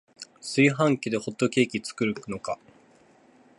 炊飯器でホットケーキ作るのか